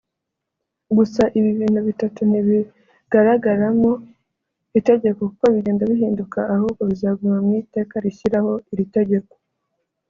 Gusa ibi bintu bitatu ntibigaragaramu itegeko kuko bigenda bihinduka ahubwo bizaguma mu iteka rishyiraho iri tegeko